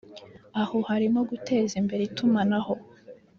Aho harimo guteza imbere itumanaho